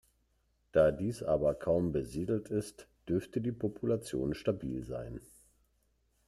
Da dieses aber kaum besiedelt ist, dürfte die Population stabil sein.